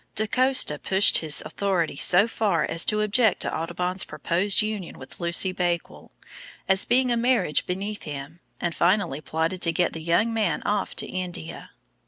Da Costa pushed his authority so far as to object to Audubon's proposed union with Lucy Bakewell, as being a marriage beneath him, and finally plotted to get the young man off to India.